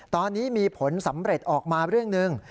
ตอนนี้มีผลสำเร็จออกมาเรื่องหนึ่ง